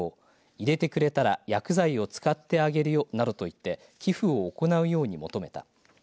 入れてくれたら薬剤を使ってあげるよなどと言って寄付を行うように求めた。